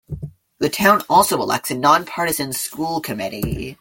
The town also elects a non-partisan school committee.